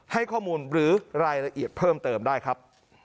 ให้ข้อมูลหรือรายละเอียดเพิ่มเติมได้ครับ